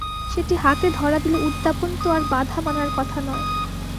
সেটি হাতে ধরা দিলে উদ্যাপন তো আর বাধা মানার কথা নয়।